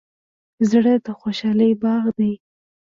زړه د خوشحالۍ باغ دی.